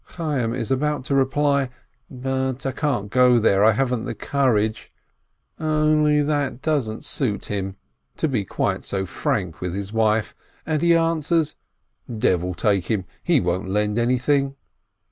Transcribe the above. Chayyim is about to reply, "But I can't go there, I haven't the courage," only that it doesn's suit him to be so frank with his wife, and he answers : "Devil take him ! He won't lend anything